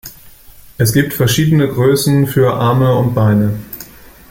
Es gibt verschiedene Größen für Arme und Beine.